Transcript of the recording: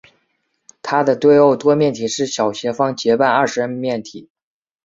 它的对偶多面体是小斜方截半二十面体。